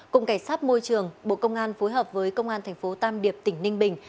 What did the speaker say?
cục cảnh sát môi trường bộ công an phối hợp với công an thành phố tam điệp tỉnh ninh bình